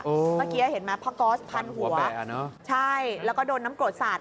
เมื่อกี้เห็นไหมผ้าก๊อสพันหัวใช่แล้วก็โดนน้ำกรดสาด